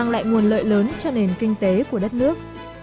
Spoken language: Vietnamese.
lợi lớn cho nền kinh tế của đất nước